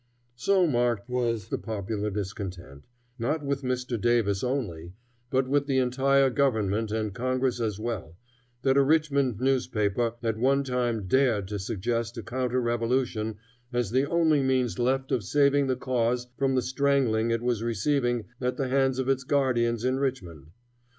So marked was the popular discontent, not with Mr. Davis only, but with the entire government and Congress as well, that a Richmond newspaper at one time dared to suggest a counter revolution as the only means left of saving the cause from the strangling it was receiving at the hands of its guardians in Richmond.